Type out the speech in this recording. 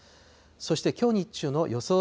そしてきょう日中の予想